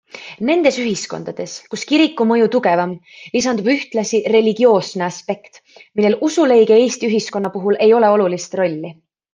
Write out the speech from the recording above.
Nendes ühiskondades, kus kiriku mõju tugevam, lisandub ühtlasi religioosne aspekt, millel usuleige Eesti ühiskonna puhul ei ole olulist rolli.